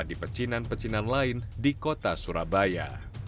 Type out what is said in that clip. di pecinan pecinan lain di kota surabaya